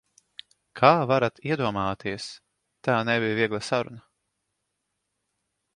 Kā varat iedomāties, tā nebija viegla saruna.